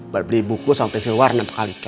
buat beli buku sampai si warna berkali kali